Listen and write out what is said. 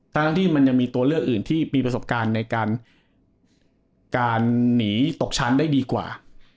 ทั้งที่มันยังมีตัวเลือกอื่นที่มีประสบการณ์ในการหนีตกชั้นได้ดีกว่า